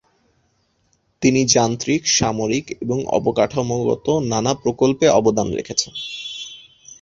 তিনি যান্ত্রিক, সামরিক এবং অবকাঠামোগত নানা প্রকল্পে অবদান রেখেছেন।